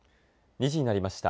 ２時になりました。